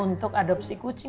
untuk adopsi kucing